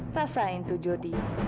rasain tuh jody